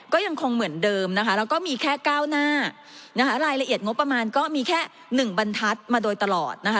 ก็ยังคงเหมือนเดิมนะคะแล้วก็มีแค่ก้าวหน้านะคะรายละเอียดงบประมาณก็มีแค่๑บรรทัศน์มาโดยตลอดนะคะ